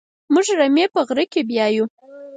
موږ رمې په غره کې پيايو.